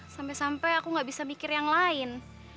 sampai sampai aku gak bisa mikir yang lain